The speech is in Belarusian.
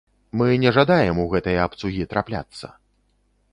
Мы не жадаем у гэтыя абцугі трапляцца.